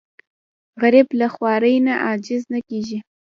غریب له خوارۍ نه عاجز نه کېږي